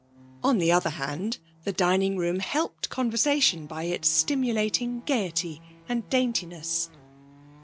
On the other hand, the dining room helped conversation by its stimulating gaiety and daintiness.